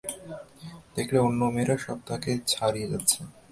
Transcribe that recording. দেখলে অন্য মেয়েরা সব তাকে ছাড়িয়ে যাচ্ছে।